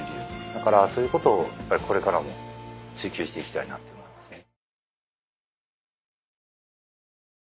だからそういうことをやっぱりこれからも追求していきたいなと思いますね。